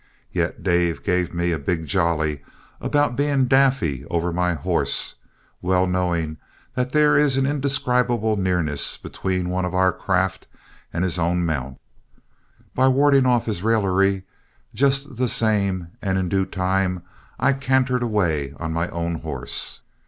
Yet Dave gave me a big jolly about being daffy over my horses, well knowing that there is an indescribable nearness between one of our craft and his own mount. But warding off his raillery, just the same and in due time, I cantered away on my own horse.